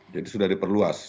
jadi sudah diperluas